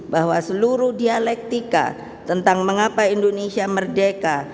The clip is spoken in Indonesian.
bahwa seluruh dialektika tentang mengapa indonesia merdeka